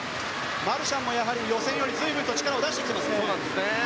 マルシャンも予選より随分と力を出してきた。